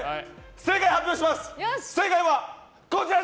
正解発表します！